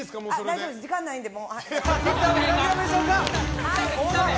大丈夫です、時間ないんで。